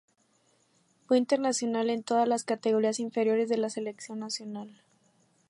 Fue internacional en todas las categorías inferiores de la selección nacional.